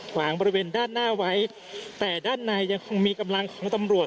ขวางบริเวณด้านหน้าไว้แต่ด้านในยังคงมีกำลังของตำรวจ